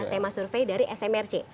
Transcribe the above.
tema survei dari smrc